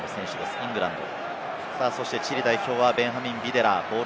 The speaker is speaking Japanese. イングランド。